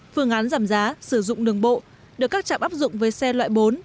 phương án giảm giá sử dụng đường bộ được các trạm áp dụng với xe loại bốn